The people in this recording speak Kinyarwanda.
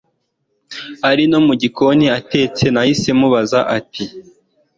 ari no mugikoni atetse Nahise mubaza ati